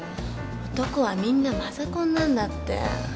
男はみんなマザコンなんだって。